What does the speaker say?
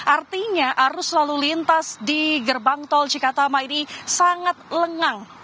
artinya arus lalu lintas di gerbang tol cikatama ini sangat lengang